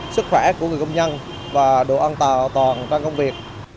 sau đó phải thay thế